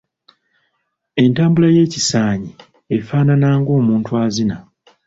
Entambula y’ekisaanyi efaanana ng’omuntu azina.